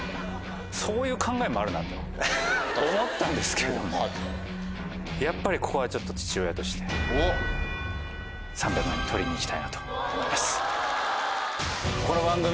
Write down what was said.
そういう考えもあるなと思ったんですけれどもやっぱりここはちょっと父親として３００万取りに行きたいなと思います。